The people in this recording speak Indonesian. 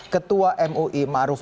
ketua mui marwudin